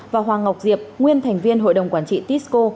và hoàng ngọc diệp nguyên thành viên hội đồng quản trị tisco